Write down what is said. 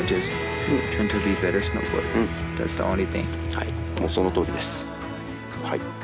はいそのとおりです。